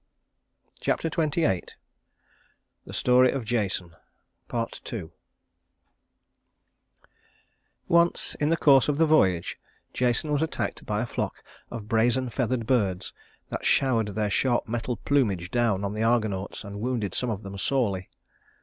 Chapter XXVIII The Story of Jason Part II Once, in the course of the voyage, Jason was attacked by a flock of brazen feathered birds that showered their sharp metal plumage down on the Argonauts, and wounded some of them sorely.